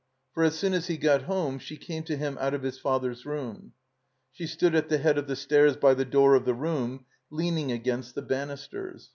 For as soon as he got home she came to him out of his father's room. She stood at the head of the stairs by the door of the room, leaning against the banisters.